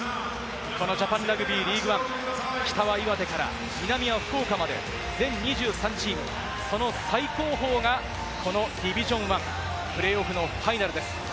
このジャパンラグビーリーグワン、北は岩手から南は福岡まで全２３チーム、その最高峰がこのディビジョン１、プレーオフのファイナルです。